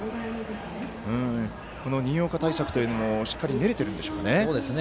この新岡対策というのもしっかり練れているんでしょうか。